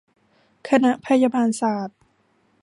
คณะพยาบาลศาสตร์